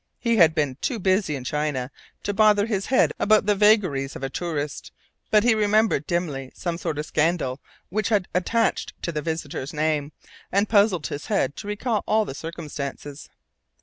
He had been too busy in China to bother his head about the vagaries of a tourist, but he remembered dimly some sort of scandal which had attached to the visitor's name, and puzzled his head to recall all the circumstances.